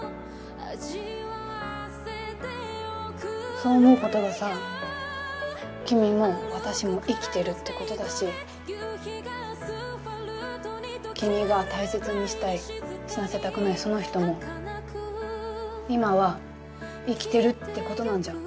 そう思う事がさ君も私も生きてるって事だし君が大切にしたい死なせたくないその人も今は生きてるって事なんじゃん？